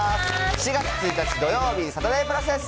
４月１日土曜日、サタデープラスです。